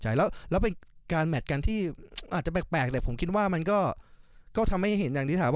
ใช่แล้วเป็นการแมทกันที่อาจจะแปลกแต่ผมคิดว่ามันก็ทำให้เห็นอย่างที่ถามว่า